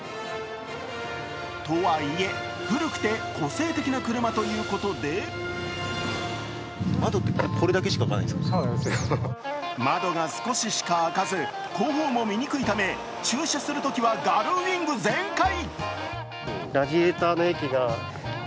とはいえ、古くて個性的な車ということで窓が少ししか開かず、後方も見にくいため、駐車するときはガルウイング全開。